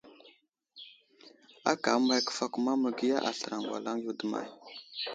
Aka əmay kəfakuma məgiya aslər aŋgam yo daw ?